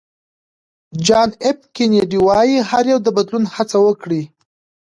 جان اېف کېنیډي وایي هر یو د بدلون هڅه وکړي.